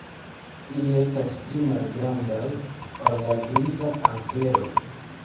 Ili estas pli malgrandaj ol la Griza ansero.